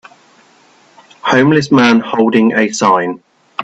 Homeless man holding a sign.